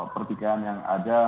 pertikaian yang ada